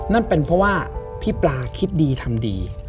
นั่นเป็นเพราะว่าพี่ปลาคิดดีทำดี